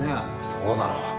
そうだろう。